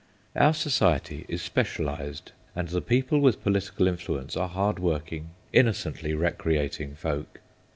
Our society is special ised, and the people with political influence are hard working, innocently recreating folk.